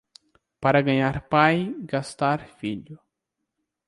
Para ganhar pai, gastar filho.